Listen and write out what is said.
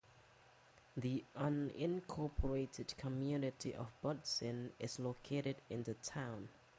The unincorporated community of Budsin is located in the town.